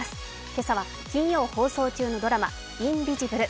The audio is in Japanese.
今朝は金曜放送中のドラマ「インビジブル」。